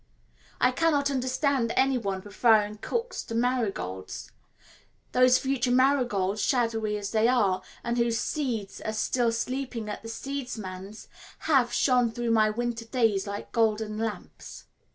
I cannot understand any one preferring cooks to marigolds; those future marigolds, shadowy as they are, and whose seeds are still sleeping at the seedsman's, have shone through my winter days like golden lamps.